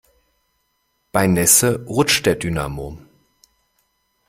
Bei Nässe rutscht der Dynamo.